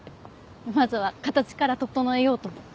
まずは形から整えようと思って。